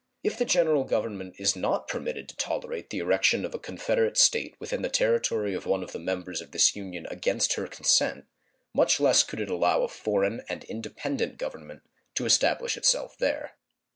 If the General Government is not permitted to tolerate the erection of a confederate State within the territory of one of the members of this Union against her consent, much less could it allow a foreign and independent government to establish itself there.